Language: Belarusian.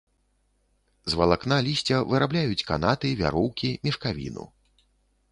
З валакна лісця вырабляюць канаты, вяроўкі, мешкавіну.